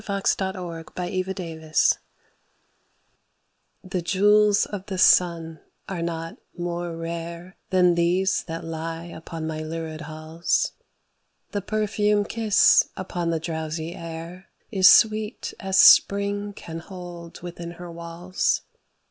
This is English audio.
THE FLOWERS OF PROSERPINE The jewels of the sun are not more rare Than these that lie upon my lurid halls. The perfume kiss upon the drowsy air Is sweet as Spring can hold within her walls.